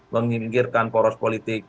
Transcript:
menginggirkan poros politik